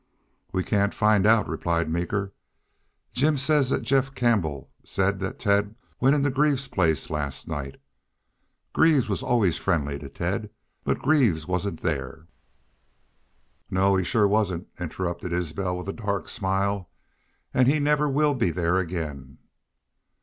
"We can't find out," replied Meeker. "Jim says thet Jeff Campbell said thet Ted went into Greaves's place last night. Greaves allus was friendly to Ted, but Greaves wasn't thar " "No, he shore wasn't," interrupted Isbel, with a dark smile, "an' he never will be there again."